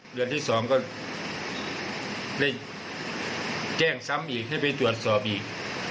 เดือนที่๒ก็ได้แจ้งซ้ำอีกให้ไปตรวจสอบอีก